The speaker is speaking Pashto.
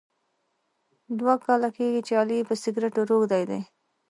دوه کاله کېږي چې علي په سګرېټو روږدی دی.